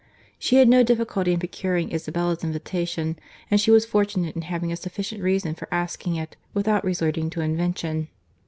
She had no difficulty in procuring Isabella's invitation; and she was fortunate in having a sufficient reason for asking it, without resorting to invention.